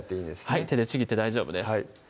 はい手でちぎって大丈夫です